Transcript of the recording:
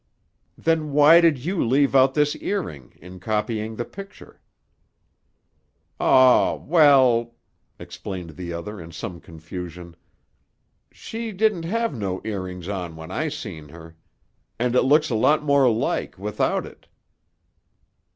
"Then why did you leave out this earring in copying the picture?" "Aw—well," explained the other in some confusion, "she didn't have no earrings on when I seen her. And it looks a lot more like, without it."